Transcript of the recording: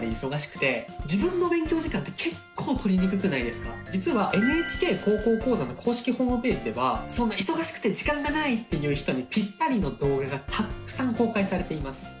皆さん実は「ＮＨＫ高校講座」の公式ホームページではそんな忙しくて時間がないっていう人にぴったりの動画がたくさん公開されています。